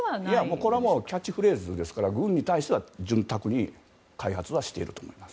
これはもうキャッチフレーズですから軍に対しては潤沢に開発はしていると思います。